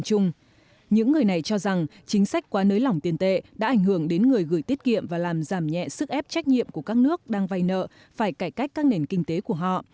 những người này cho rằng chính sách quá nới lỏng tiền tệ đã ảnh hưởng đến người gửi tiết kiệm và làm giảm nhẹ sức ép trách nhiệm của các nước đang vay nợ phải cải cách các nền kinh tế của họ